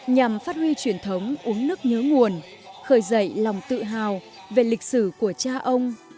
nhằm phát huy truyền thống uống nước nhớ nguồn khởi dậy lòng tự hào về lịch sử của cha ông